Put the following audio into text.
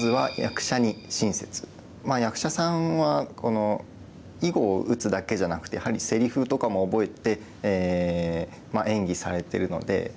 まずは役者さんは囲碁を打つだけじゃなくてやはりせりふとかも覚えて演技されてるので。